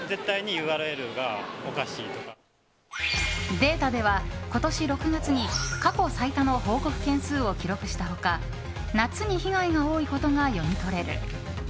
データでは今年６月に過去最多の報告件数を記録した他夏に被害が多いことが読み取れる。